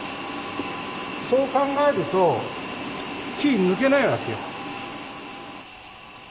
そう考えると気抜けないわけよ。